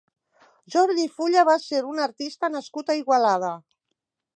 Jordi Fulla va ser un artista nascut a Igualada.